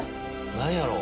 何やろう？